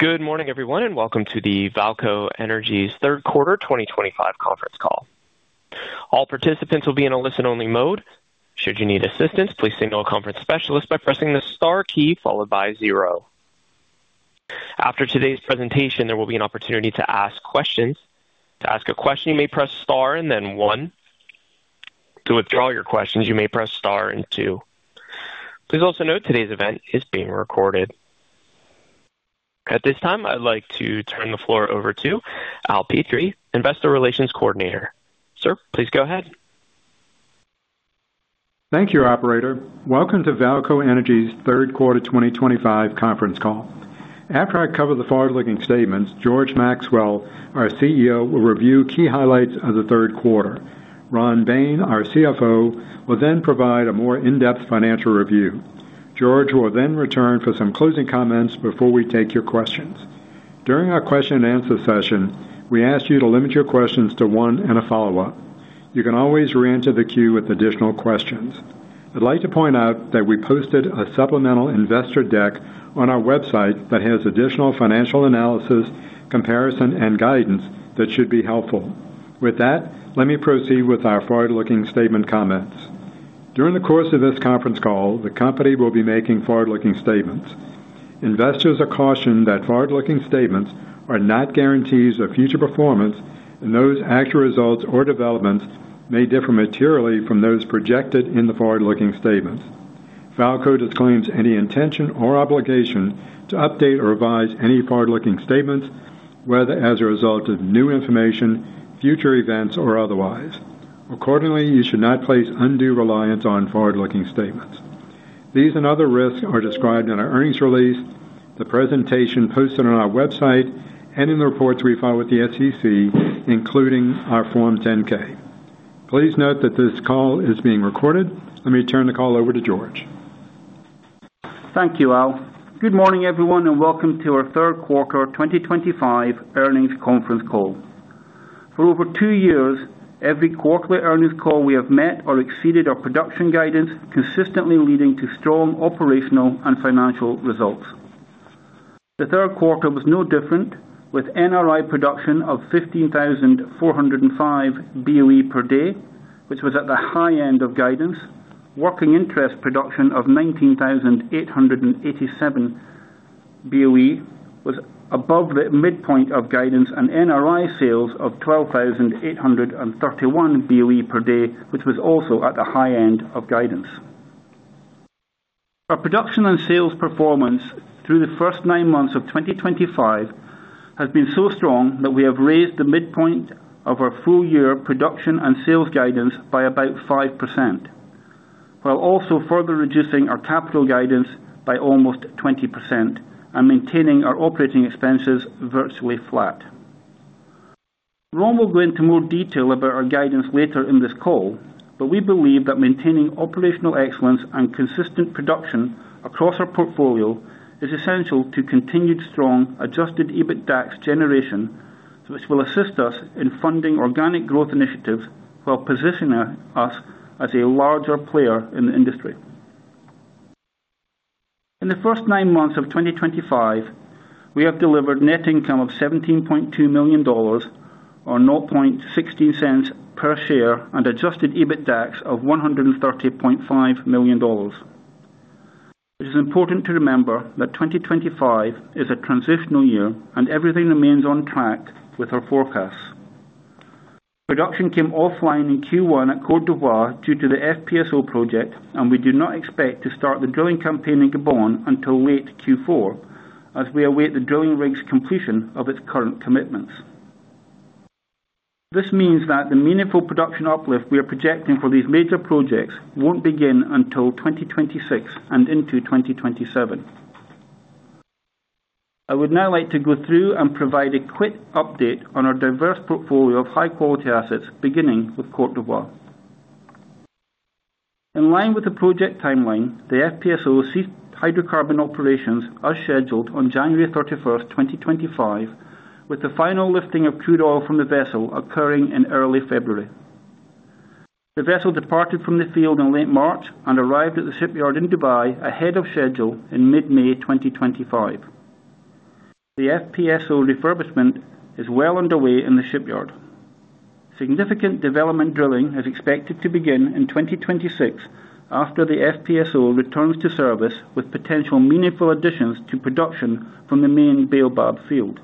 Good morning, everyone, and welcome to Vaalco Energy's third quarter 2025 conference call. All participants will be in a listen-only mode. Should you need assistance, please signal a conference specialist by pressing the star key followed by zero. After today's presentation, there will be an opportunity to ask questions. To ask a question, you may press star and then one. To withdraw your questions, you may press star and two. Please also note today's event is being recorded. At this time, I'd like to turn the floor over to Al Petrie, Investor Relations Coordinator. Sir, please go ahead. Thank you, Operator. Welcome to Vaalco Energy's third quarter 2025 conference call. After I cover the forward-looking statements, George Maxwell, our CEO, will review key highlights of the third quarter. Ron Bain, our CFO, will then provide a more in-depth financial review. George will then return for some closing comments before we take your questions. During our question-and-answer session, we ask you to limit your questions to one and a follow-up. You can always re-enter the queue with additional questions. I'd like to point out that we posted a supplemental investor deck on our website that has additional financial analysis, comparison, and guidance that should be helpful. With that, let me proceed with our forward-looking statement comments. During the course of this conference call, the company will be making forward-looking statements. Investors are cautioned that forward-looking statements are not guarantees of future performance, and those actual results or developments may differ materially from those projected in the forward-looking statements. VAALCO disclaims any intention or obligation to update or revise any forward-looking statements, whether as a result of new information, future events, or otherwise. Accordingly, you should not place undue reliance on forward-looking statements. These and other risks are described in our earnings release, the presentation posted on our website, and in the reports we file with the SEC, including our Form 10-K. Please note that this call is being recorded. Let me turn the call over to George. Thank you, Al. Good morning, everyone, and welcome to our third quarter 2025 earnings conference call. For over two years, every quarterly earnings call we have met or exceeded our production guidance, consistently leading to strong operational and financial results. The third quarter was no different, with NRI production of 15,405 BOE per day, which was at the high end of guidance. Working interest production of 19,887 BOE was above the midpoint of guidance, and NRI sales of 12,831 BOE per day, which was also at the high end of guidance. Our production and sales performance through the first nine months of 2025 has been so strong that we have raised the midpoint of our full-year production and sales guidance by about 5%, while also further reducing our capital guidance by almost 20% and maintaining our operating expenses virtually flat. Ron will go into more detail about our guidance later in this call, but we believe that maintaining operational excellence and consistent production across our portfolio is essential to continued strong adjusted EBITDAX generation, which will assist us in funding organic growth initiatives while positioning us as a larger player in the industry. In the first nine months of 2025, we have delivered net income of $17.2 million or $0.16 per share and adjusted EBITDAX of $130.5 million. It is important to remember that 2025 is a transitional year, and everything remains on track with our forecasts. Production came offline in Q1 at Côte d'Ivoire due to the FPSO project, and we do not expect to start the drilling campaign in Gabon until late Q4, as we await the drilling rig's completion of its current commitments. This means that the meaningful production uplift we are projecting for these major projects won't begin until 2026 and into 2027. I would now like to go through and provide a quick update on our diverse portfolio of high-quality assets, beginning with Côte d'Ivoire. In line with the project timeline, the FPSO ceases hydrocarbon operations as scheduled on January 31, 2025, with the final lifting of crude oil from the vessel occurring in early February. The vessel departed from the field in late March and arrived at the shipyard in Dubai ahead of schedule in mid-May 2025. The FPSO refurbishment is well underway in the shipyard. Significant development drilling is expected to begin in 2026 after the FPSO returns to service, with potential meaningful additions to production from the main Baobab field.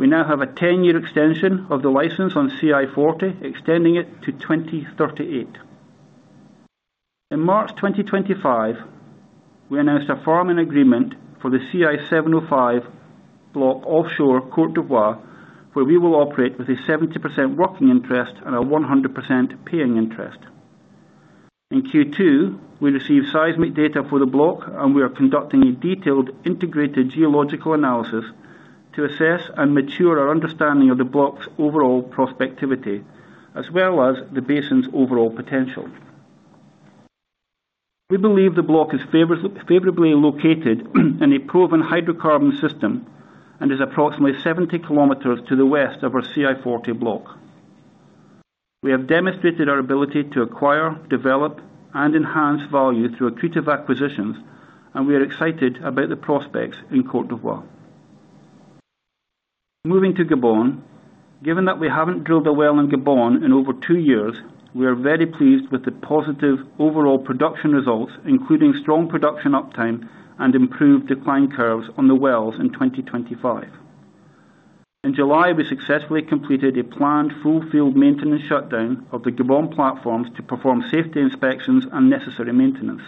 We now have a 10-year extension of the license on CI-40, extending it to 2038. In March 2025, we announced a farming agreement for the CI-705 block offshore Côte d'Ivoire, where we will operate with a 70% working interest and a 100% paying interest. In Q2, we received seismic data for the block, and we are conducting a detailed integrated geological analysis to assess and mature our understanding of the block's overall prospectivity, as well as the basin's overall potential. We believe the block is favorably located in a proven hydrocarbon system and is approximately 70 km to the west of our CI-40 block. We have demonstrated our ability to acquire, develop, and enhance value through accretive acquisitions, and we are excited about the prospects in Côte d'Ivoire. Moving to Gabon, given that we haven't drilled a well in Gabon in over two years, we are very pleased with the positive overall production results, including strong production uptime and improved decline curves on the wells in 2025. In July, we successfully completed a planned full-field maintenance shutdown of the Gabon platforms to perform safety inspections and necessary maintenance.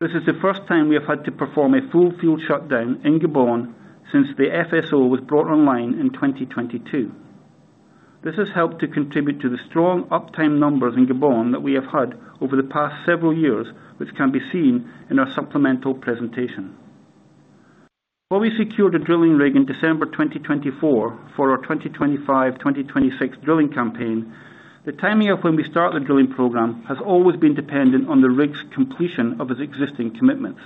This is the first time we have had to perform a full-field shutdown in Gabon since the FSO was brought online in 2022. This has helped to contribute to the strong uptime numbers in Gabon that we have had over the past several years, which can be seen in our supplemental presentation. While we secured a drilling rig in December 2024 for our 2025-2026 drilling campaign, the timing of when we start the drilling program has always been dependent on the rig's completion of its existing commitments.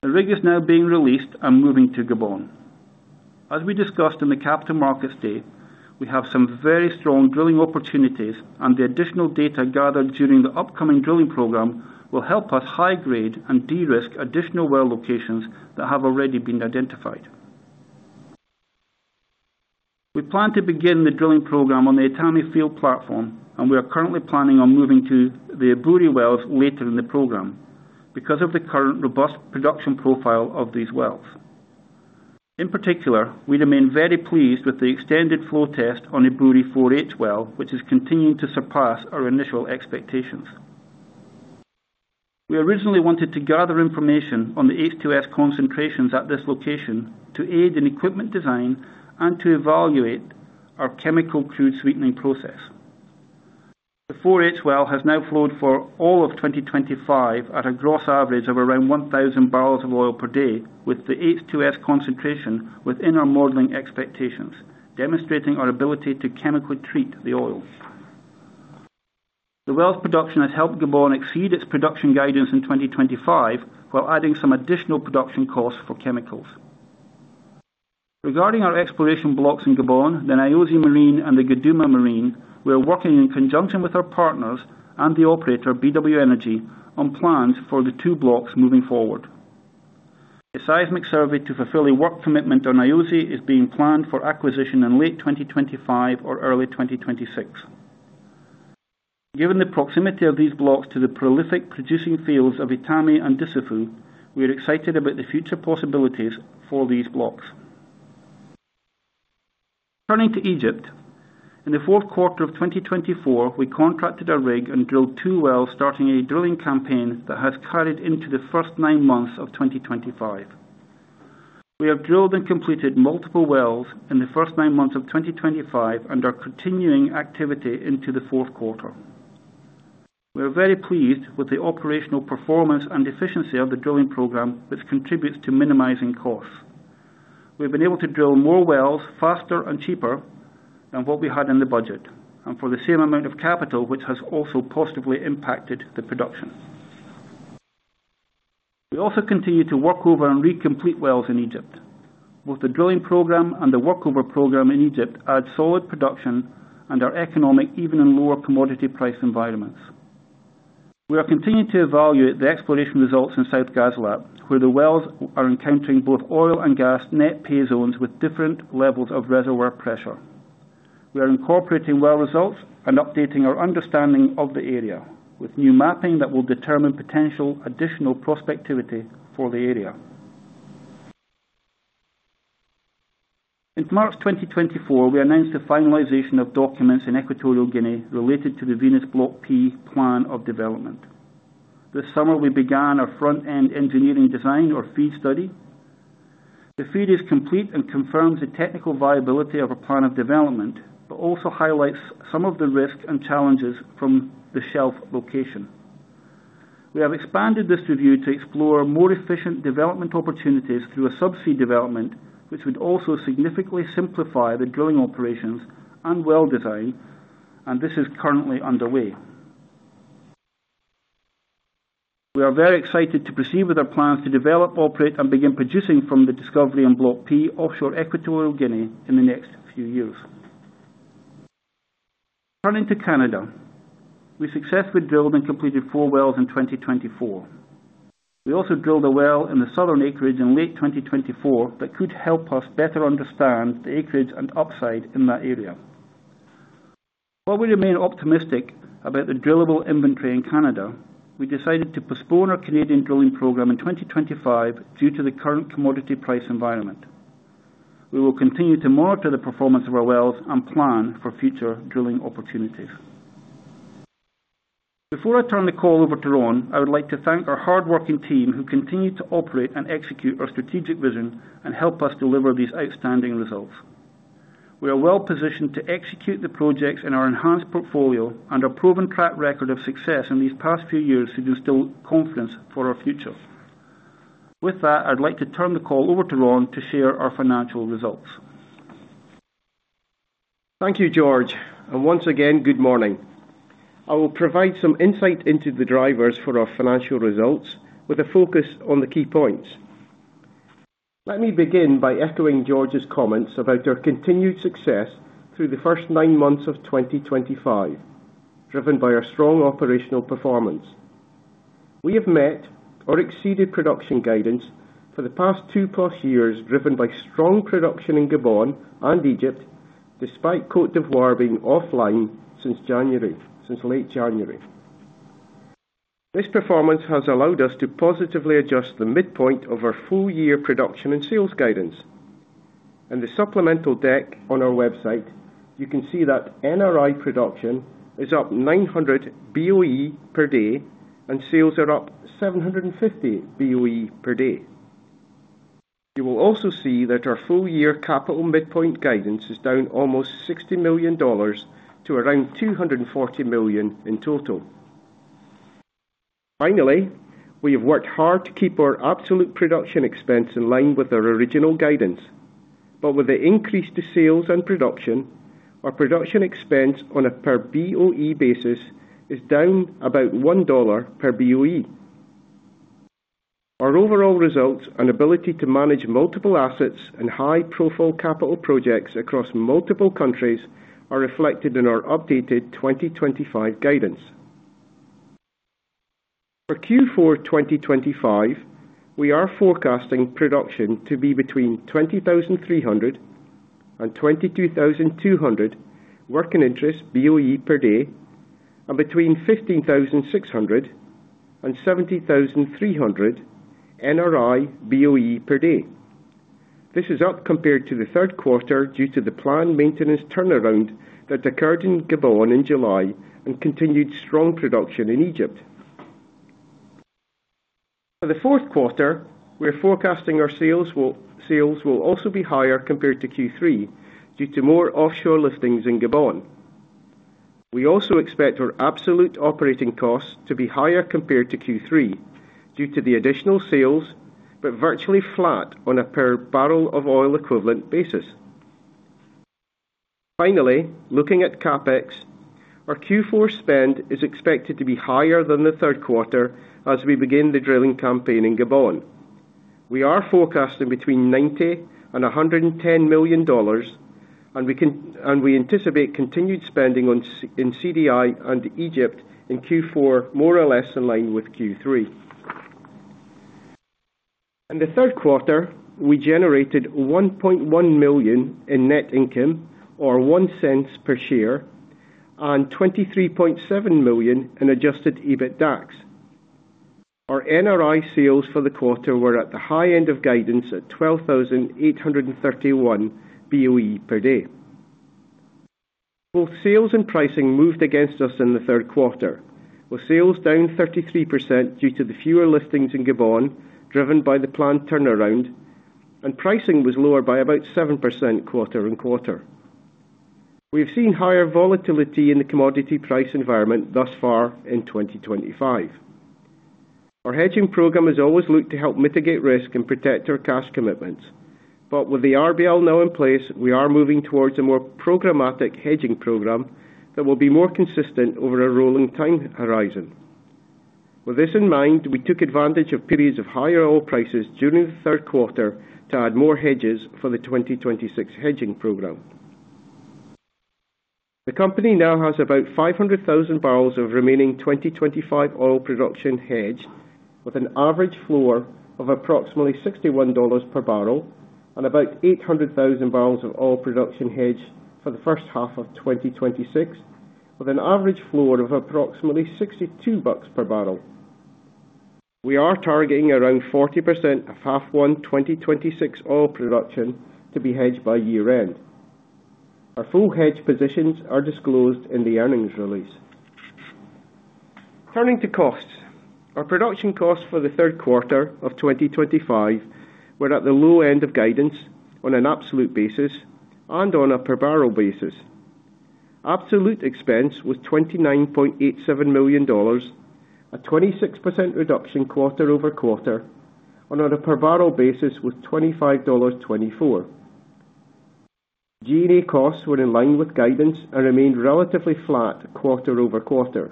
The rig is now being released and moving to Gabon. As we discussed in the capital markets day, we have some very strong drilling opportunities, and the additional data gathered during the upcoming drilling program will help us high-grade and de-risk additional well locations that have already been identified. We plan to begin the drilling program on the Etame field platform, and we are currently planning on moving to the Ebouri wells later in the program because of the current robust production profile of these wells. In particular, we remain very pleased with the extended flow test on Ebouri 4H well, which is continuing to surpass our initial expectations. We originally wanted to gather information on the H2S concentrations at this location to aid in equipment design and to evaluate our chemical crude sweetening process. The 4H well has now flowed for all of 2025 at a gross average of around 1,000 barrels of oil per day, with the H2S concentration within our modeling expectations, demonstrating our ability to chemically treat the oil. The well's production has helped Gabon exceed its production guidance in 2025 while adding some additional production costs for chemicals. Regarding our exploration blocks in Gabon, the Nyosi Marine and the Geduma Marine, we are working in conjunction with our partners and the operator, BW Energy, on plans for the two blocks moving forward. A seismic survey to fulfill a work commitment on Nyosi is being planned for acquisition in late 2025 or early 2026. Given the proximity of these blocks to the prolific producing fields of Etame and Dussafu, we are excited about the future possibilities for these blocks. Turning to Egypt, in the fourth quarter of 2024, we contracted a rig and drilled two wells, starting a drilling campaign that has carried into the first nine months of 2025. We have drilled and completed multiple wells in the first nine months of 2025 and are continuing activity into the fourth quarter. We are very pleased with the operational performance and efficiency of the drilling program, which contributes to minimizing costs. We've been able to drill more wells, faster, and cheaper than what we had in the budget, and for the same amount of capital, which has also positively impacted the production. We also continue to work over and recomplete wells in Egypt. Both the drilling program and the workover program in Egypt add solid production and are economic even in lower commodity price environments. We are continuing to evaluate the exploration results in South Gazala, where the wells are encountering both oil and gas net pay zones with different levels of reservoir pressure. We are incorporating well results and updating our understanding of the area with new mapping that will determine potential additional prospectivity for the area. In March 2024, we announced the finalization of documents in Equatorial Guinea related to the Venus Block P plan of development. This summer, we began our front-end engineering design or FEED study. The FEED is complete and confirms the technical viability of our plan of development, but also highlights some of the risks and challenges from the shelf location. We have expanded this review to explore more efficient development opportunities through a subsea development, which would also significantly simplify the drilling operations and well design, and this is currently underway. We are very excited to proceed with our plans to develop, operate, and begin producing from the discovery and Block P offshore Equatorial Guinea in the next few years. Turning to Canada, we successfully drilled and completed four wells in 2024. We also drilled a well in the southern acreage in late 2024 that could help us better understand the acreage and upside in that area. While we remain optimistic about the drillable inventory in Canada, we decided to postpone our Canadian drilling program in 2025 due to the current commodity price environment. We will continue to monitor the performance of our wells and plan for future drilling opportunities. Before I turn the call over to Ron, I would like to thank our hardworking team who continue to operate and execute our strategic vision and help us deliver these outstanding results. We are well positioned to execute the projects in our enhanced portfolio and our proven track record of success in these past few years to instill confidence for our future. With that, I'd like to turn the call over to Ron to share our financial results. Thank you, George, and once again, good morning. I will provide some insight into the drivers for our financial results with a focus on the key points. Let me begin by echoing George's comments about our continued success through the first nine months of 2025, driven by our strong operational performance. We have met or exceeded production guidance for the past two plus years, driven by strong production in Gabon and Egypt, despite Côte d'Ivoire being offline since late January. This performance has allowed us to positively adjust the midpoint of our full-year production and sales guidance. In the supplemental deck on our website, you can see that NRI production is up 900 BOE per day, and sales are up 750 BOE per day. You will also see that our full-year capital midpoint guidance is down almost $60 million to around $240 million in total. Finally, we have worked hard to keep our absolute production expense in line with our original guidance, but with the increase to sales and production, our production expense on a per BOE basis is down about $1 per BOE. Our overall results and ability to manage multiple assets and high-profile capital projects across multiple countries are reflected in our updated 2025 guidance. For Q4 2025, we are forecasting production to be between 20,300 and 22,200 working interest BOE per day and between 15,600 and 70,300 NRI BOE per day. This is up compared to the third quarter due to the planned maintenance turnaround that occurred in Gabon in July and continued strong production in Egypt. For the fourth quarter, we're forecasting our sales will also be higher compared to Q3 due to more offshore liftings in Gabon. We also expect our absolute operating costs to be higher compared to Q3 due to the additional sales, but virtually flat on a per barrel of oil equivalent basis. Finally, looking at CapEx, our Q4 spend is expected to be higher than the third quarter as we begin the drilling campaign in Gabon. We are forecasting between $90 million and $110 million, and we anticipate continued spending in Côte d'Ivoire and Egypt in Q4 more or less in line with Q3. In the third quarter, we generated $1.1 million in net income or $0.01 per share and $23.7 million in adjusted EBITDAX. Our NRI sales for the quarter were at the high end of guidance at 12,831 BOE per day. Both sales and pricing moved against us in the third quarter, with sales down 33% due to the fewer liftings in Gabon driven by the planned turnaround, and pricing was lower by about 7% quarter-on-quarter. We have seen higher volatility in the commodity price environment thus far in 2025. Our hedging program has always looked to help mitigate risk and protect our cash commitments, but with the RBL now in place, we are moving towards a more programmatic hedging program that will be more consistent over a rolling time horizon. With this in mind, we took advantage of periods of higher oil prices during the third quarter to add more hedges for the 2026 hedging program. The company now has about 500,000 barrels of remaining 2025 oil production hedged, with an average floor of approximately $61 per barrel and about 800,000 barrels of oil production hedged for the first half of 2026, with an average floor of approximately $62 per barrel. We are targeting around 40% of half-one 2026 oil production to be hedged by year-end. Our full hedge positions are disclosed in the earnings release. Turning to costs, our production costs for the third quarter of 2025 were at the low end of guidance on an absolute basis and on a per barrel basis. Absolute expense was $29.87 million, a 26% reduction quarter-over-quarter, and on a per barrel basis was $25.24. G&A costs were in line with guidance and remained relatively flat quarter-over-quarter.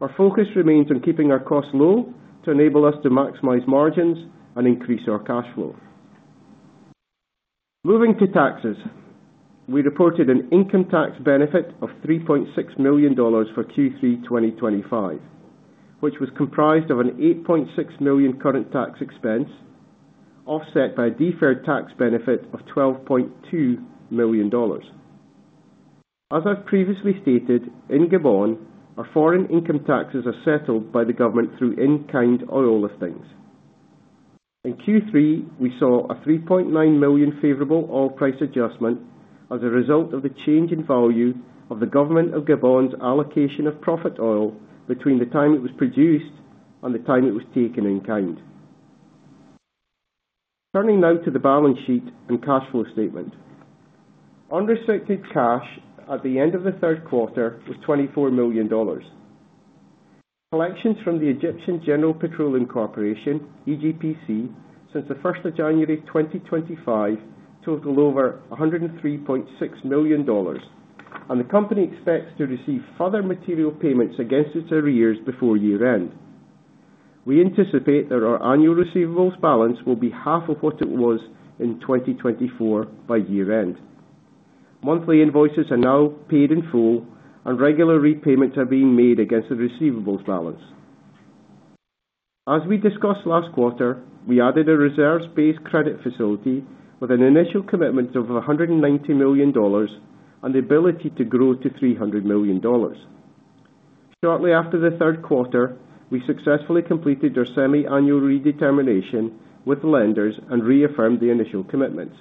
Our focus remains on keeping our costs low to enable us to maximize margins and increase our cash flow. Moving to taxes, we reported an income tax benefit of $3.6 million for Q3 2025, which was comprised of an $8.6 million current tax expense offset by a deferred tax benefit of $12.2 million. As I've previously stated, in Gabon, our foreign income taxes are settled by the government through in-kind oil liftings. In Q3, we saw a $3.9 million favorable oil price adjustment as a result of the change in value of the government of Gabon's allocation of profit oil between the time it was produced and the time it was taken in kind. Turning now to the balance sheet and cash flow statement, unrestricted cash at the end of the third quarter was $24 million. Collections from the Egyptian General Petroleum Corporation, EGPC, since the 1st of January 2025 total over $103.6 million, and the company expects to receive further material payments against its arrears before year-end. We anticipate that our annual receivables balance will be half of what it was in 2024 by year-end. Monthly invoices are now paid in full, and regular repayments are being made against the receivables balance. As we discussed last quarter, we added a reserves-based credit facility with an initial commitment of $190 million and the ability to grow to $300 million. Shortly after the third quarter, we successfully completed our semi-annual redetermination with lenders and reaffirmed the initial commitments.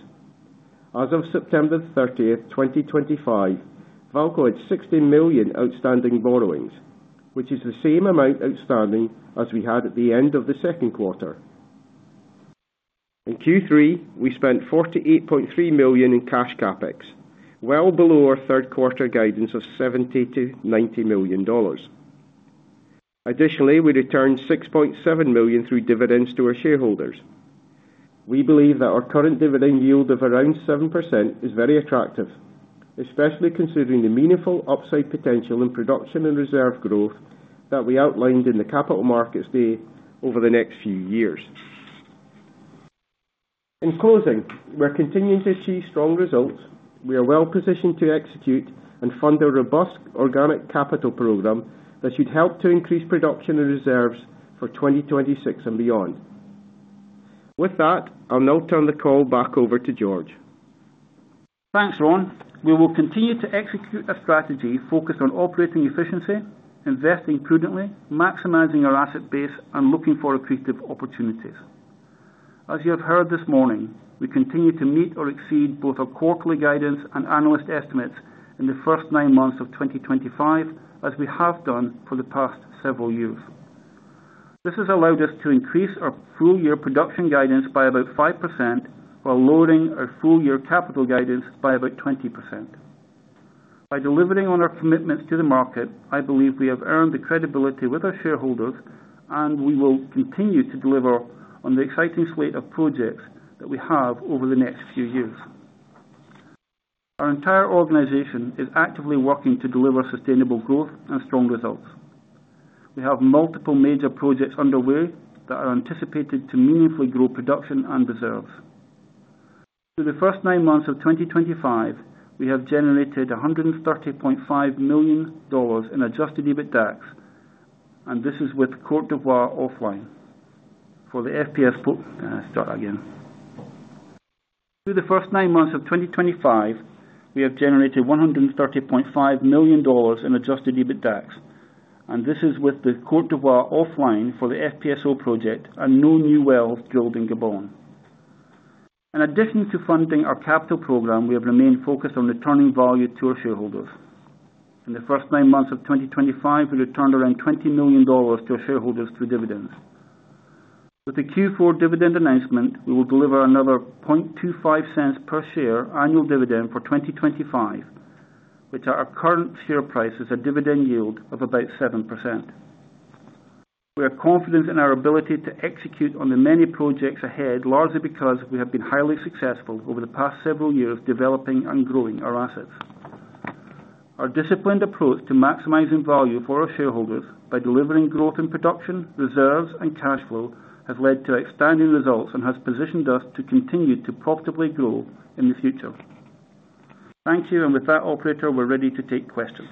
As of September 30, 2025, Vaalco had $60 million outstanding borrowings, which is the same amount outstanding as we had at the end of the second quarter. In Q3, we spent $48.3 million in cash CapEx, well below our third quarter guidance of $70 million-$90 million. Additionally, we returned $6.7 million through dividends to our shareholders. We believe that our current dividend yield of around 7% is very attractive, especially considering the meaningful upside potential in production and reserve growth that we outlined in the capital markets day over the next few years. In closing, we're continuing to achieve strong results. We are well positioned to execute and fund a robust organic capital program that should help to increase production and reserves for 2026 and beyond. With that, I'll now turn the call back over to George. Thanks, Ron. We will continue to execute a strategy focused on operating efficiency, investing prudently, maximizing our asset base, and looking for accretive opportunities. As you have heard this morning, we continue to meet or exceed both our quarterly guidance and analyst estimates in the first nine months of 2025, as we have done for the past several years. This has allowed us to increase our full-year production guidance by about 5% while lowering our full-year capital guidance by about 20%. By delivering on our commitments to the market, I believe we have earned the credibility with our shareholders, and we will continue to deliver on the exciting slate of projects that we have over the next few years. Our entire organization is actively working to deliver sustainable growth and strong results. We have multiple major projects underway that are anticipated to meaningfully grow production and reserves. Through the first nine months of 2025, we have generated $130.5 million in adjusted EBITDAX, and this is with Côte d'Ivoire offline. Through the first nine months of 2025, we have generated $130.5 million in adjusted EBITDAX, and this is with the Côte d'Ivoire offline for the FPSO project and no new wells drilled in Gabon. In addition to funding our capital program, we have remained focused on returning value to our shareholders. In the first nine months of 2025, we returned around $20 million to our shareholders through dividends. With the Q4 dividend announcement, we will deliver another $0.25 per share annual dividend for 2025, which at our current share price is a dividend yield of about 7%. We are confident in our ability to execute on the many projects ahead, largely because we have been highly successful over the past several years developing and growing our assets. Our disciplined approach to maximizing value for our shareholders by delivering growth in production, reserves, and cash flow has led to outstanding results and has positioned us to continue to profitably grow in the future. Thank you, and with that, Operator, we're ready to take questions.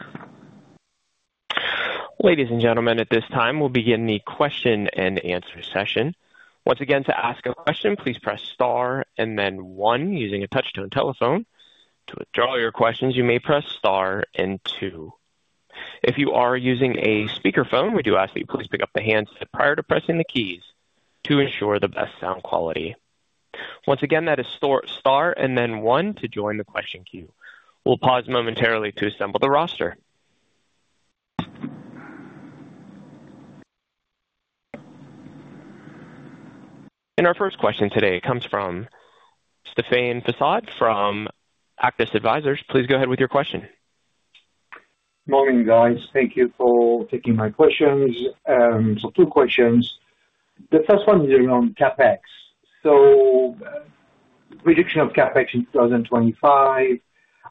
Ladies and gentlemen, at this time, we'll begin the question and answer session. Once again, to ask a question, please press star and then one using a touch-tone telephone. To withdraw your questions, you may press star and two. If you are using a speakerphone, we do ask that you please pick up the handset prior to pressing the keys to ensure the best sound quality. Once again, that is star and then one to join the question queue. We'll pause momentarily to assemble the roster. In our first question today, it comes from Stefan Fassad from Actis Advisors. Please go ahead with your question. Morning, guys. Thank you for taking my questions. Two questions. The first one is around CapEx. Prediction of CapEx in 2025.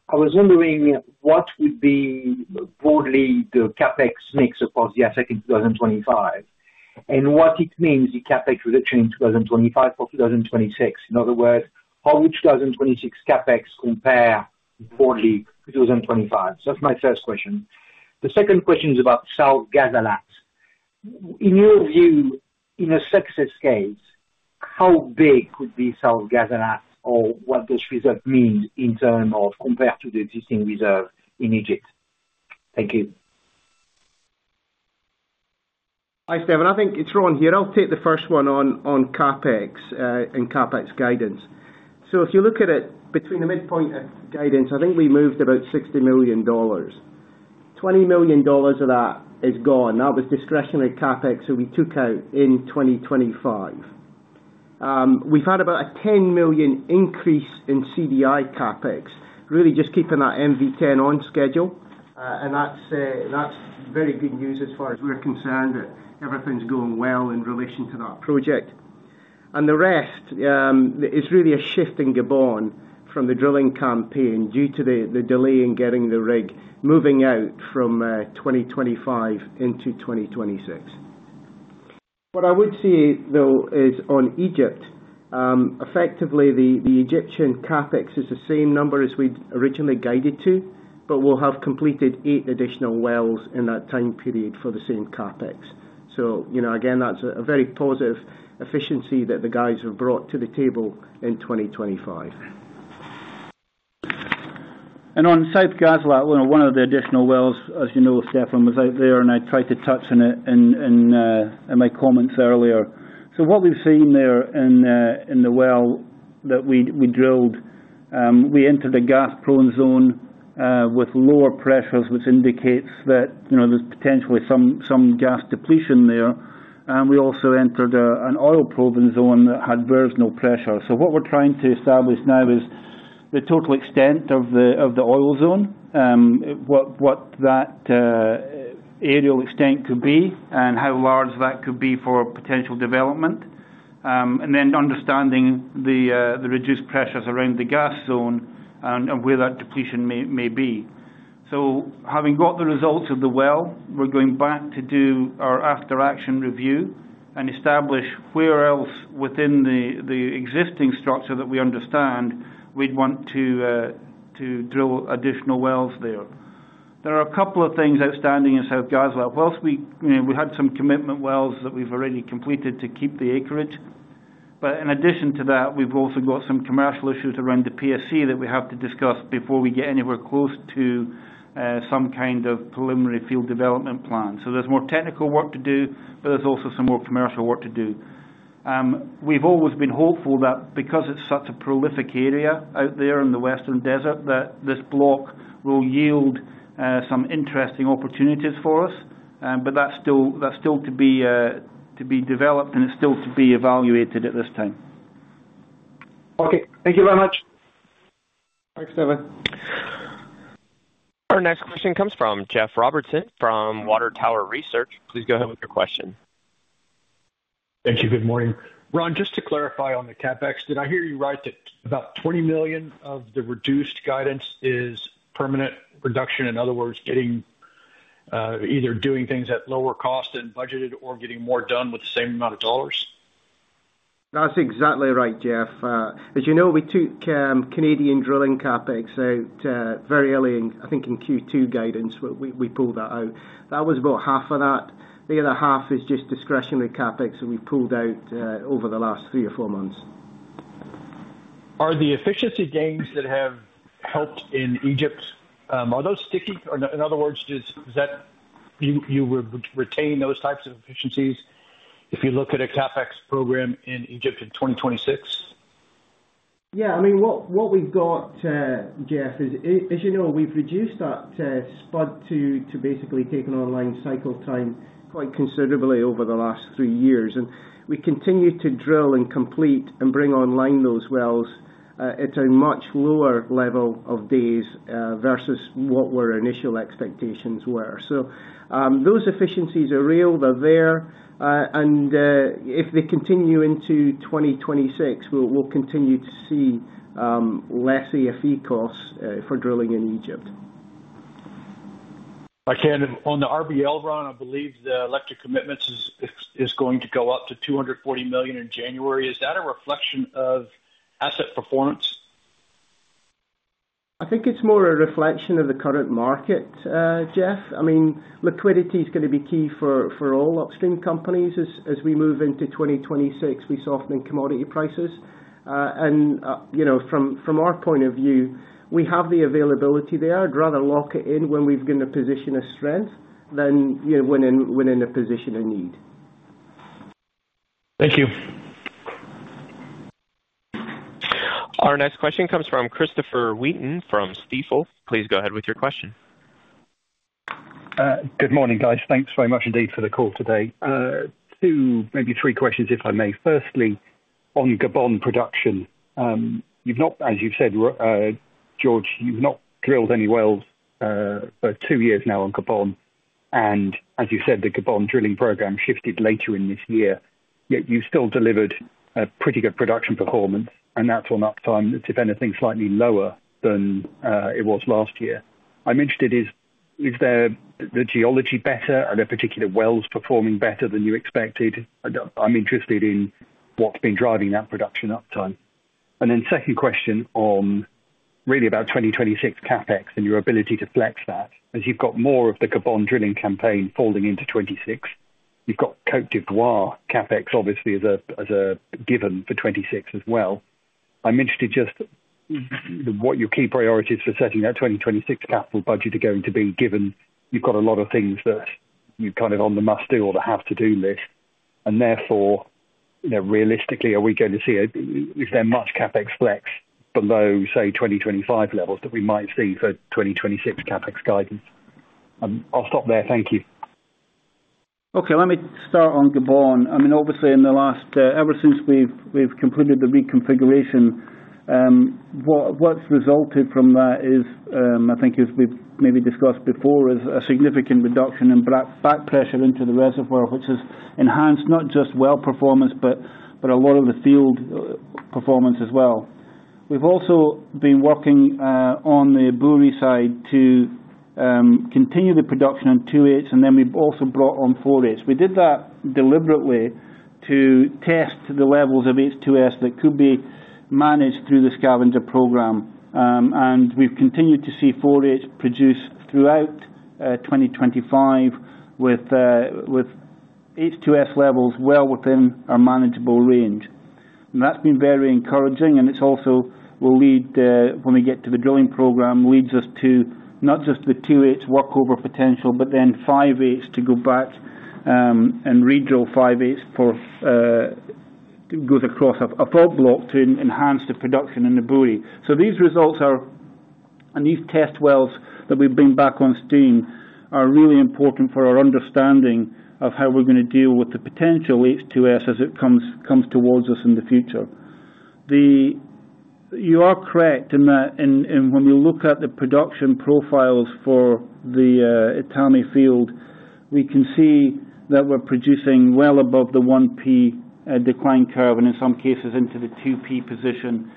I was wondering what would be broadly the CapEx mix across the asset in 2025 and what it means, the CapEx prediction in 2025 for 2026. In other words, how would 2026 CapEx compare broadly to 2025? That is my first question. The second question is about South Gazala. In your view, in a success case, how big could be South Gazala or what does reserve mean in terms of compared to the existing reserve in Egypt? Thank you. Hi, Stefan. I think it's Ron here. I'll take the first one on CapEx and CapEx guidance. If you look at it between the midpoint guidance, I think we moved about $60 million. $20 million of that is gone. That was discretionary CapEx that we took out in 2025. We've had about a $10 million increase in CDI CapEx, really just keeping that MV10 on schedule, and that's very good news as far as we're concerned that everything's going well in relation to that project. The rest is really a shift in Gabon from the drilling campaign due to the delay in getting the rig moving out from 2025 into 2026. What I would say, though, is on Egypt, effectively the Egyptian CapEx is the same number as we'd originally guided to, but we'll have completed eight additional wells in that time period for the same CapEx. You know, again, that's a very positive efficiency that the guys have brought to the table in 2025. On South Gazala, one of the additional wells, as you know, Stefan, was out there, and I tried to touch on it in my comments earlier. What we've seen there in the well that we drilled, we entered a gas-prone zone with lower pressures, which indicates that there's potentially some gas depletion there. We also entered an oil-prone zone that had very low pressure. What we're trying to establish now is the total extent of the oil zone, what that aerial extent could be and how large that could be for potential development, and then understanding the reduced pressures around the gas zone and where that depletion may be. Having got the results of the well, we're going back to do our after-action review and establish where else within the existing structure that we understand we'd want to drill additional wells there. There are a couple of things outstanding in South Gazala. Whilst we had some commitment wells that we've already completed to keep the acreage, in addition to that, we've also got some commercial issues around the PSC that we have to discuss before we get anywhere close to some kind of preliminary field development plan. There's more technical work to do, but there's also some more commercial work to do. We've always been hopeful that because it's such a prolific area out there in the Western Desert, this block will yield some interesting opportunities for us, but that's still to be developed and it's still to be evaluated at this time. Okay. Thank you very much. Thanks, Stefan. Our next question comes from Jeff Robertson from Water Tower Research. Please go ahead with your question. Thank you. Good morning. Ron, just to clarify on the CapEx, did I hear you right that about $20 million of the reduced guidance is permanent reduction? In other words, either doing things at lower cost and budgeted or getting more done with the same amount of dollars? That's exactly right, Jeff. As you know, we took Canadian drilling CapEx out very early, I think in Q2 guidance, we pulled that out. That was about half of that. The other half is just discretionary CapEx that we've pulled out over the last three or four months. Are the efficiency gains that have helped in Egypt, are those sticky? In other words, does that mean you will retain those types of efficiencies if you look at a CapEx program in Egypt in 2026? Yeah. I mean, what we've got, Jeff, is, as you know, we've reduced that spud to basically take an online cycle time quite considerably over the last three years. We continue to drill and complete and bring online those wells at a much lower level of days versus what our initial expectations were. Those efficiencies are real, they're there, and if they continue into 2026, we'll continue to see less AFE costs for drilling in Egypt. On the RBL run, I believe the electric commitments is going to go up to $240 million in January. Is that a reflection of asset performance? I think it's more a reflection of the current market, Jeff. I mean, liquidity is going to be key for all upstream companies as we move into 2026. We saw them in commodity prices. From our point of view, we have the availability there. I'd rather lock it in when we've been in a position of strength than when in a position of need. Thank you. Our next question comes from Christopher Wheaton from Stifel. Please go ahead with your question. Good morning, guys. Thanks very much indeed for the call today. Two, maybe three questions, if I may. Firstly, on Gabon production, you've not, as you've said, George, you've not drilled any wells for two years now on Gabon. As you said, the Gabon drilling program shifted later in this year, yet you've still delivered a pretty good production performance, and that's on uptime that's, if anything, slightly lower than it was last year. I'm interested, is the geology better and are particular wells performing better than you expected? I'm interested in what's been driving that production uptime. Second question on really about 2026 CapEx and your ability to flex that as you've got more of the Gabon drilling campaign falling into 2026. You've got Côte d'Ivoire CapEx, obviously, as a given for 2026 as well. I'm interested just what your key priorities for setting that 2026 capital budget are going to be given you've got a lot of things that you're kind of on the must-do or the have-to-do list. Therefore, realistically, are we going to see a, is there much CapEx flex below, say, 2025 levels that we might see for 2026 CapEx guidance? I'll stop there. Thank you. Okay. Let me start on Gabon. I mean, obviously, in the last, ever since we've completed the reconfiguration, what's resulted from that is, I think as we've maybe discussed before, is a significant reduction in back pressure into the reservoir, which has enhanced not just well performance, but a lot of the field performance as well. We've also been working on the Ebouri side to continue the production on 2H, and then we've also brought on 4H. We did that deliberately to test the levels of H2S that could be managed through the Scavenger program. And we've continued to see 4H produced throughout 2025 with H2S levels well within our manageable range. That's been very encouraging, and it also will lead, when we get to the drilling program, leads us to not just the 2/8 workover potential, but then 5/8 to go back and redrill 5/8 for goes across a full block to enhance the production in the Ebouri. These results are, and these test wells that we've been back on steam, are really important for our understanding of how we're going to deal with the potential H2S as it comes towards us in the future. You are correct in that when we look at the production profiles for the Etame field, we can see that we're producing well above the 1P decline curve and in some cases into the 2P position.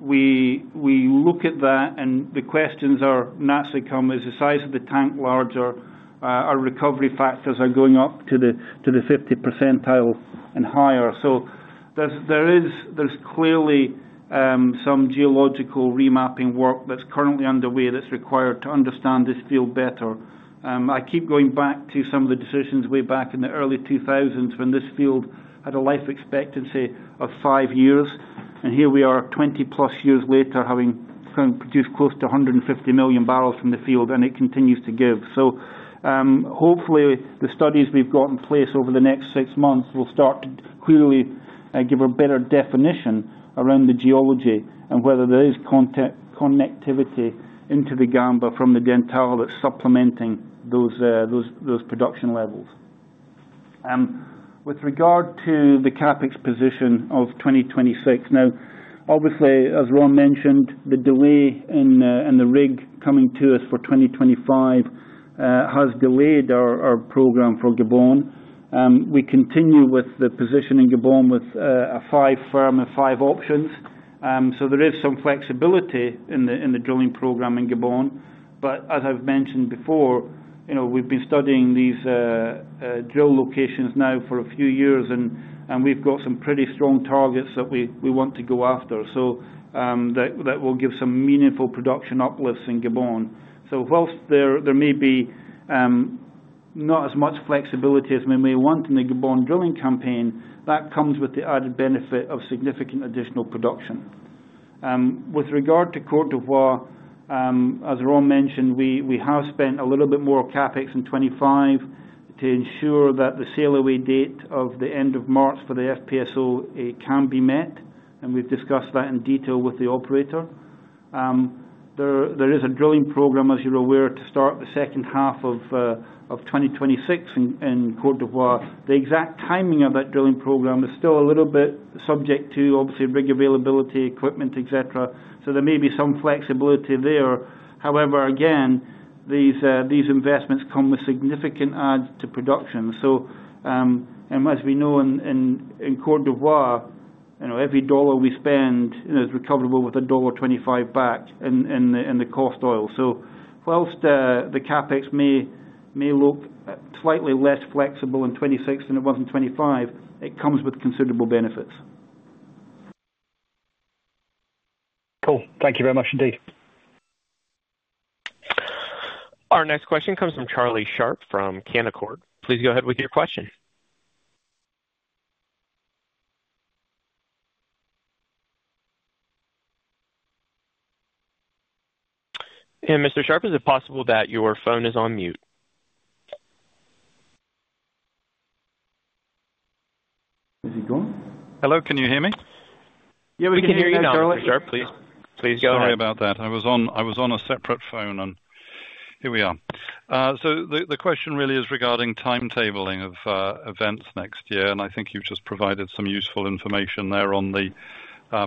We look at that and the questions are not to come as the size of the tank larger, our recovery factors are going up to the 50% percentile and higher. There is clearly some geological remapping work that is currently underway that is required to understand this field better. I keep going back to some of the decisions way back in the early 2000s when this field had a life expectancy of five years. Here we are, 20+ years later, having produced close to 150 million barrels from the field and it continues to give. Hopefully the studies we have got in place over the next six months will start to clearly give a better definition around the geology and whether there is connectivity into the Gamba from the Dentale that is supplementing those production levels. With regard to the CapEx position of 2026, now, obviously, as Ron mentioned, the delay in the rig coming to us for 2025 has delayed our program for Gabon. We continue with the position in Gabon with a five firm, five options. There is some flexibility in the drilling program in Gabon. As I have mentioned before, we have been studying these drill locations now for a few years and we have got some pretty strong targets that we want to go after that will give some meaningful production uplifts in Gabon. Whilst there may be not as much flexibility as we may want in the Gabon drilling campaign, that comes with the added benefit of significant additional production. With regard to Côte d'Ivoire, as Ron mentioned, we have spent a little bit more CapEx in 2025 to ensure that the sail away date of the end of March for the FPSO can be met. We have discussed that in detail with the operator. There is a drilling program, as you're aware, to start the second half of 2026 in Côte d'Ivoire. The exact timing of that drilling program is still a little bit subject to, obviously, rig availability, equipment, etc. There may be some flexibility there. However, again, these investments come with significant adds to production. As we know in Côte d'Ivoire, every dollar we spend is recoverable with a $1.25 back in the cost oil. Whilst the CapEx may look slightly less flexible in 2026 than it was in 2025, it comes with considerable benefits. Cool. Thank you very much indeed. Our next question comes from Charlie Sharp from Canaccord. Please go ahead with your question. Mr. Sharp, is it possible that your phone is on mute? Is he gone? Hello, can you hear me? Sorry about that. I was on a separate phone and here we are. The question really is regarding timetabling of events next year. I think you've just provided some useful information there on the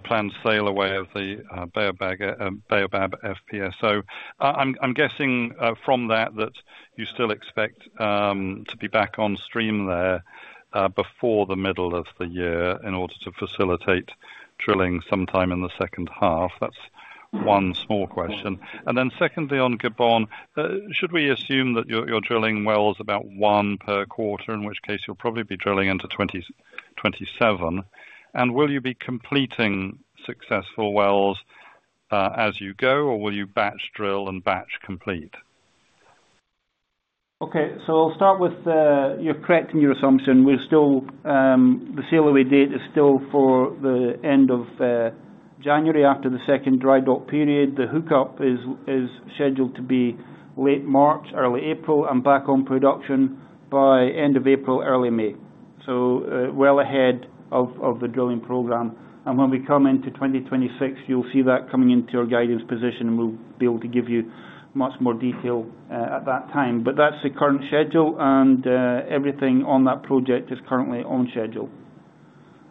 planned sail away of the Baobab FPSO. I'm guessing from that that you still expect to be back on stream there before the middle of the year in order to facilitate drilling sometime in the second half. That's one small question. Secondly, on Gabon, should we assume that you're drilling wells about one per quarter, in which case you'll probably be drilling into 2027? Will you be completing successful wells as you go, or will you batch drill and batch complete? Okay. I'll start with you're correct in your assumption. The sail away date is still for the end of January after the second dry dock period. The hookup is scheduled to be late March, early April, and back on production by end of April, early May. That is well ahead of the drilling program. When we come into 2026, you'll see that coming into your guidance position, and we'll be able to give you much more detail at that time. That's the current schedule, and everything on that project is currently on schedule.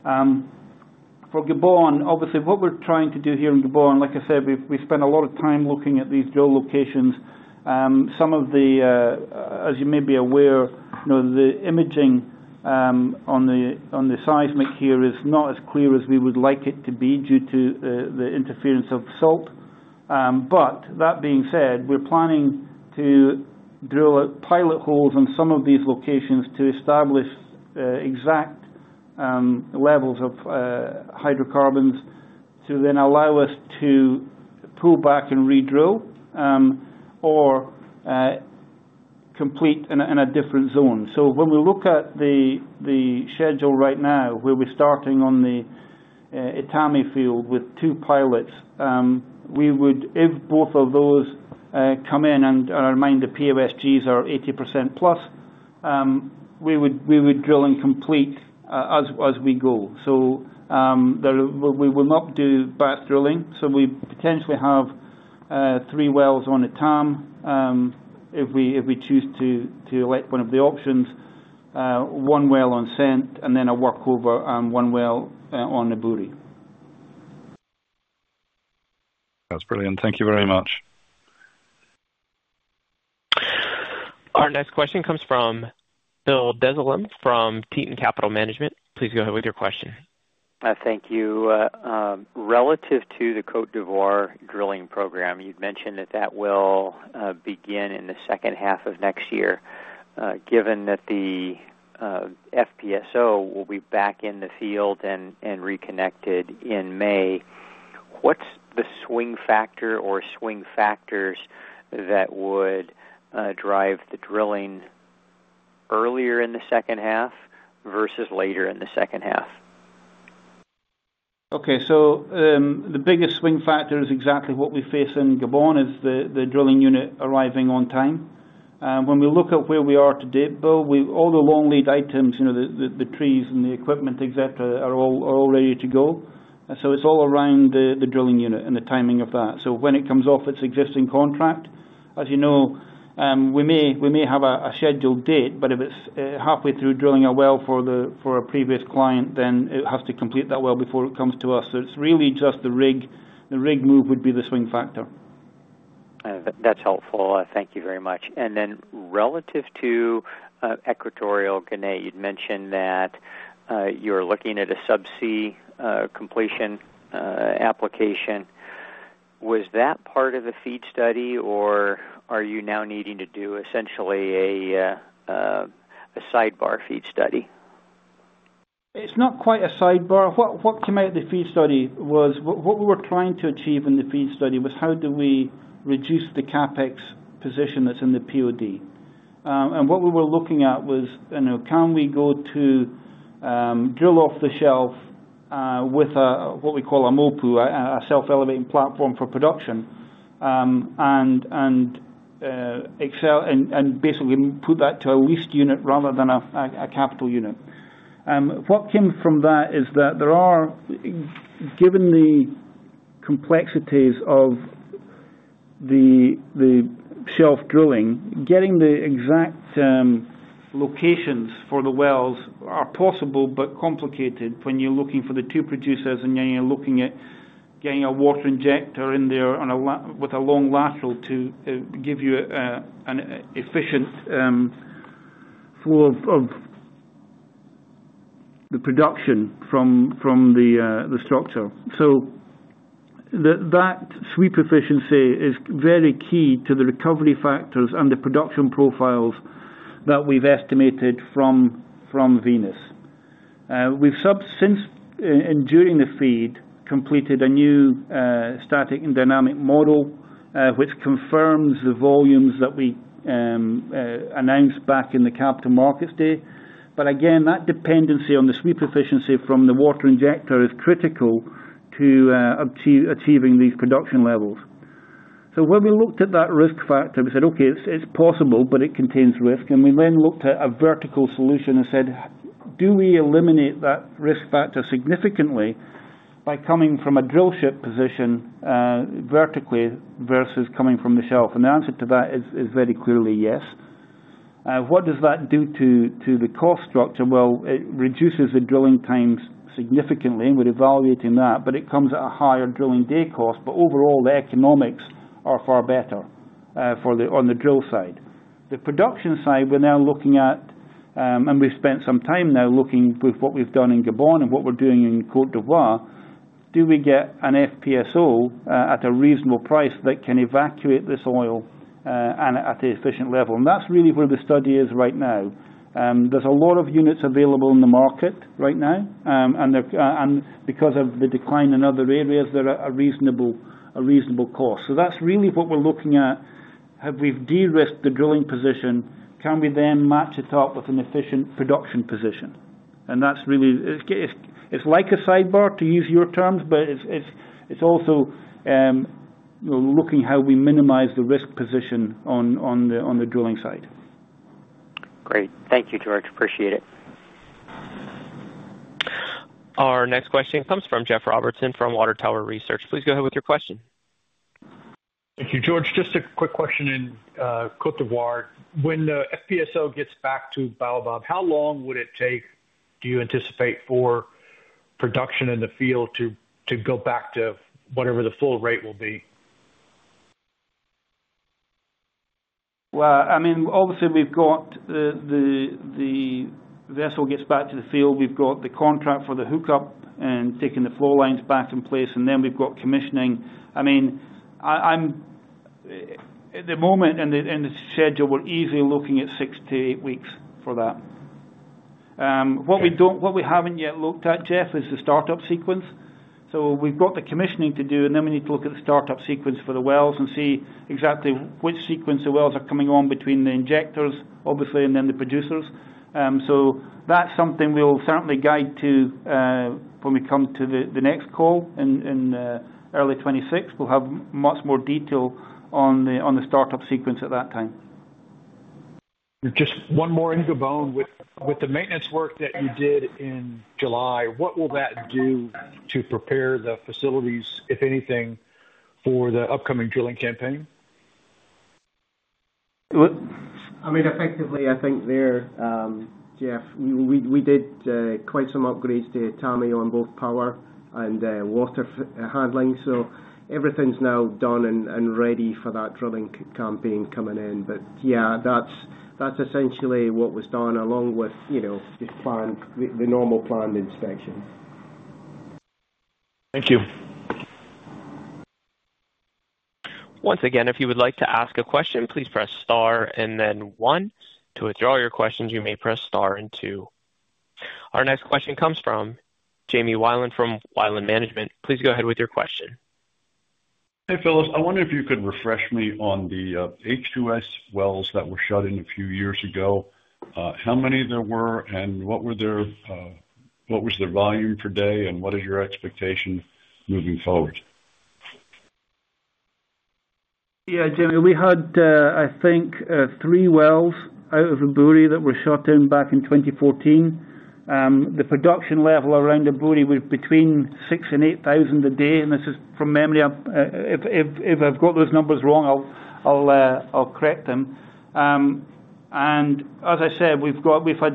For Gabon, obviously, what we're trying to do here in Gabon, like I said, we spend a lot of time looking at these drill locations. Some of the, as you may be aware, the imaging on the seismic here is not as clear as we would like it to be due to the interference of salt. That being said, we're planning to drill pilot holes on some of these locations to establish exact levels of hydrocarbons to then allow us to pull back and redrill or complete in a different zone. When we look at the schedule right now, we're starting on the Etame field with two pilots. If both of those come in, and I remind the POSs are 80% plus, we would drill and complete as we go. We will not do batch drilling. We potentially have three wells on Etame if we choose to elect one of the options, one well on Sendji, and then a workover on one well on the Ebouri. That's brilliant. Thank you very much. Our next question comes from Bill Dezellem from Teton Capital Management. Please go ahead with your question. Thank you. Relative to the Côte d'Ivoire drilling program, you'd mentioned that that will begin in the second half of next year. Given that the FPSO will be back in the field and reconnected in May, what's the swing factor or swing factors that would drive the drilling earlier in the second half versus later in the second half? Okay. So the biggest swing factor is exactly what we face in Gabon, is the drilling unit arriving on time. When we look at where we are today, Bill, all the long lead items, the trees and the equipment, etc., are all ready to go. So it's all around the drilling unit and the timing of that. So when it comes off its existing contract, as you know, we may have a scheduled date, but if it's halfway through drilling a well for a previous client, then it has to complete that well before it comes to us. So it's really just the rig move would be the swing factor. That's helpful. Thank you very much. Relative to Equatorial Guinea, you'd mentioned that you're looking at a subsea completion application. Was that part of the FEED study, or are you now needing to do essentially a sidebar FEED study? It's not quite a sidebar. What came out of the feed study was what we were trying to achieve in the feed study was how do we reduce the CapEx position that's in the POD. And what we were looking at was, can we go to drill off the shelf with what we call a MOPU, a self-elevating platform for production, and basically put that to a least unit rather than a capital unit. What came from that is that there are, given the complexities of the shelf drilling, getting the exact locations for the wells are possible but complicated when you're looking for the two producers and you're looking at getting a water injector in there with a long lateral to give you an efficient flow of the production from the structure. So that sweep efficiency is very key to the recovery factors and the production profiles that we've estimated from Venus. We've since and during the feed completed a new static and dynamic model which confirms the volumes that we announced back in the Capital Markets Day. But again, that dependency on the sweep efficiency from the water injector is critical to achieving these production levels. So when we looked at that risk factor, we said, "Okay, it's possible, but it contains risk." And we then looked at a vertical solution and said, "Do we eliminate that risk factor significantly by coming from a drill ship position vertically versus coming from the shelf?" And the answer to that is very clearly yes. What does that do to the cost structure? Well, it reduces the drilling times significantly and we're evaluating that, but it comes at a higher drilling day cost. Overall, the economics are far better on the drill side. The production side, we're now looking at, and we've spent some time now looking with what we've done in Gabon and what we're doing in Côte d'Ivoire, do we get an FPSO at a reasonable price that can evacuate this oil at an efficient level? That's really where the study is right now. There are a lot of units available in the market right now, and because of the decline in other areas, they are a reasonable cost. That's really what we're looking at. Have we de-risked the drilling position? Can we then match it up with an efficient production position? It's like a sidebar, to use your terms, but it's also looking at how we minimize the risk position on the drilling side. Great. Thank you, George. Appreciate it. Our next question comes from Jeff Robertson from Watertower Research. Please go ahead with your question. Thank you, George. Just a quick question in Côte d'Ivoire. When the FPSO gets back to Baobab, how long would it take, do you anticipate, for production in the field to go back to whatever the full rate will be? Well, I mean, obviously, we've got the vessel gets back to the field, we've got the contract for the hookup and taking the floor lines back in place, and then we've got commissioning. I mean, at the moment and the schedule, we're easily looking at six to eight weeks for that. What we haven't yet looked at, Jeff, is the startup sequence. So we've got the commissioning to do, and then we need to look at the startup sequence for the wells and see exactly which sequence the wells are coming on between the injectors, obviously, and then the producers. So that's something we'll certainly guide to when we come to the next call in early '26. We'll have much more detail on the startup sequence at that time. Just one more in Gabon with the maintenance work that you did in July. What will that do to prepare the facilities, if anything, for the upcoming drilling campaign? I mean, effectively, I think there, Jeff, we did quite some upgrades to Etame on both power and water handling. So everything's now done and ready for that drilling campaign coming in. But yeah, that's essentially what was done along with the normal planned inspection. Thank you. Once again, if you would like to ask a question, please press star and then one. To withdraw your questions, you may press star and two. Our next question comes from Jamie Weiland from Weiland Management. Please go ahead with your question. Hey, Phyllis. I wonder if you could refresh me on the H2S wells that were shut in a few years ago. How many there were, and what was their volume per day, and what is your expectation moving forward? Yeah, Jamie, we had, I think, three wells out of the Eburi that were shut in back in 2014. The production level around the Eburi was between 6,000 and 8,000 a day. And this is from memory. If I've got those numbers wrong, I'll correct them. And as I said, we've had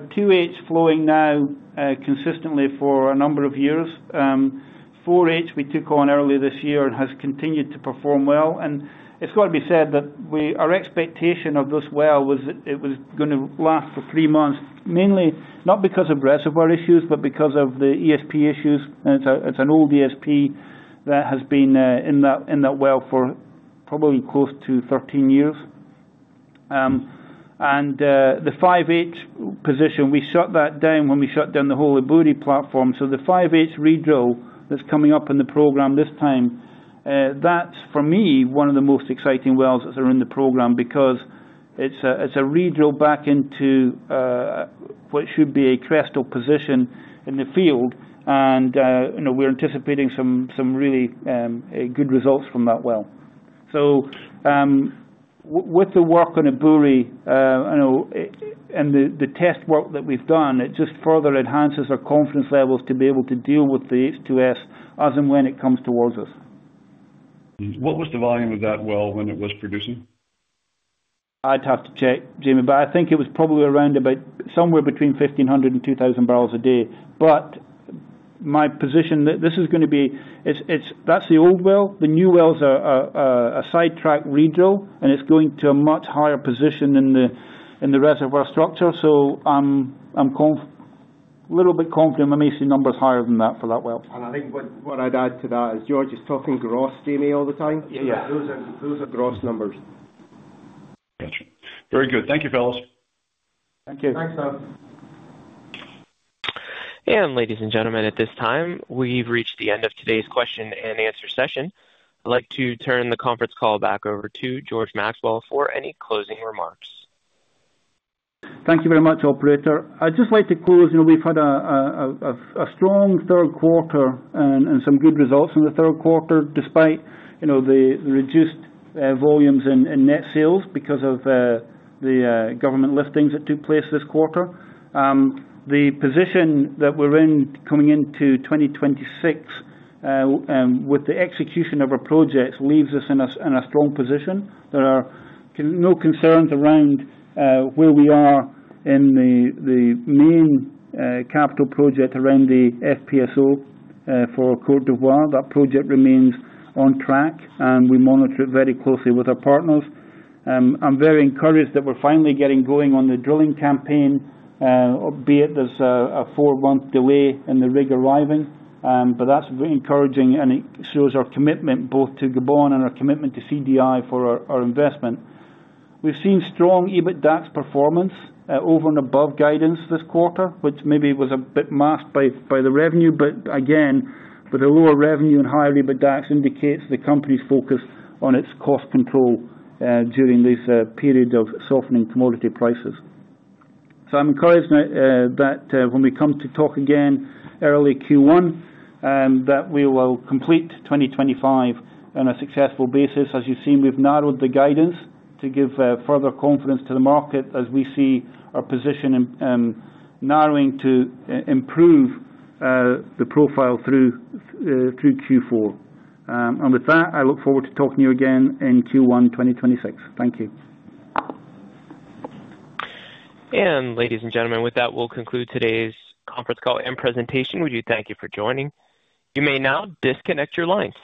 2H flowing now consistently for a number of years. 4H we took on early this year and has continued to perform well. And it's got to be said that our expectation of this well was that it was going to last for three months, mainly not because of reservoir issues, but because of the ESP issues. It's an old ESP that has been in that well for probably close to 13 years. And the 5H position, we shut that down when we shut down the whole Eburi platform. The 5H redrill that's coming up in the program this time, that's, for me, one of the most exciting wells that's around the program because it's a redrill back into what should be a crestal position in the field. We're anticipating some really good results from that well. With the work on the Buri and the test work that we've done, it just further enhances our confidence levels to be able to deal with the H2S as and when it comes towards us. What was the volume of that well when it was producing? I'd have to check, Jamie, but I think it was probably around somewhere between 1,500 and 2,000 barrels a day. But my position, this is going to be that's the old well. The new well's a sidetrack redrill, and it's going to a much higher position in the reservoir structure. So I'm a little bit confident we may see numbers higher than that for that well. And I think what I'd add to that is George is talking gross, Jamie, all the time. Yeah, those are gross numbers. Gotcha. Very good. Thank you, Phyllis. Thank you. Thanks, sir. Ladies and gentlemen, at this time, we've reached the end of today's question and answer session. I'd like to turn the conference call back over to George Maxwell for any closing remarks. Thank you very much, Operator. I'd just like to close. We've had a strong third quarter and some good results in the third quarter despite the reduced volumes in net sales because of the government listings that took place this quarter. The position that we're in coming into 2026 with the execution of our projects leaves us in a strong position. There are no concerns around where we are in the main capital project around the FPSO for Côte d'Ivoire. That project remains on track, and we monitor it very closely with our partners. I'm very encouraged that we're finally getting going on the drilling campaign, albeit there's a four-month delay in the rig arriving. That is encouraging, and it shows our commitment both to Gabon and our commitment to CDI for our investment. We've seen strong EBITDAX performance over and above guidance this quarter, which maybe was a bit masked by the revenue. Again, with a lower revenue and higher EBITDAX, it indicates the company's focus on its cost control during this period of softening commodity prices. I'm encouraged that when we come to talk again early Q1, that we will complete 2025 on a successful basis. As you've seen, we've narrowed the guidance to give further confidence to the market as we see our position narrowing to improve the profile through Q4. With that, I look forward to talking to you again in Q1 2026. Thank you. Ladies and gentlemen, with that, we'll conclude today's conference call and presentation. We do thank you for joining. You may now disconnect your lines.